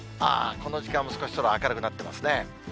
この時間も少し空、明るくなってますね。